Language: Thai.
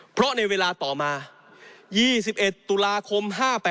เพราะในเวลาต่อมา๒๑ตุลาคม๕๘